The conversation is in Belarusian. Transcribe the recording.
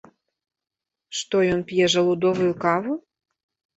Што ён п'е жалудовую каву?